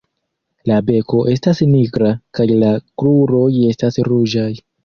La beko estas nigra kaj la kruroj estas ruĝaj.